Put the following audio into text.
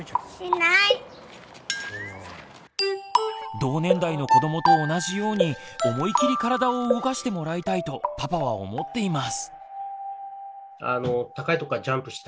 同年代の子どもと同じように思い切り体を動かしてもらいたいとパパは思っています。